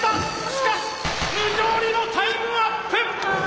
しかし無情にもタイムアップ！